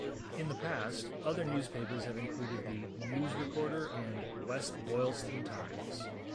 In the past, other newspapers have included the "News Recorder" and "West Boylston Times.